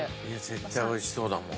絶対美味しそうだもん。